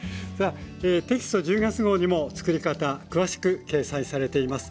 テキスト１０月号にも作り方詳しく掲載されています。